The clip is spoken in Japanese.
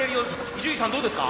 伊集院さんどうですか？